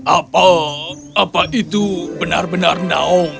apa apa itu benar benar nong